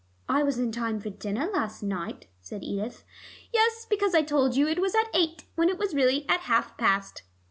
"I was in time for dinner last night," said Edith. "Yes, because I told you it was at eight, when it was really at half past."